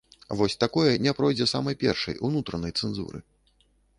Вось такое не пройдзе самай першай, унутранай, цэнзуры.